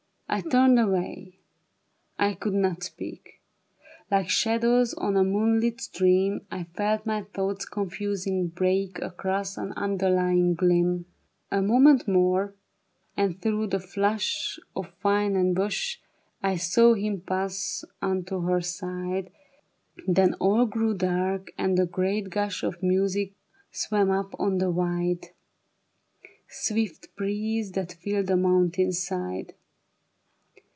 '' I turned away. I could not speak ; Like shadows on a moonlit stream, I felt my thoughts confusing break Across an underlying gleam. A moment more, and through the flush Of vine and bush I 'saw him pass unto her side ; Then all grew dark, and a great gush Of music swam up on the wide. Swift breeze that filled the mountain side.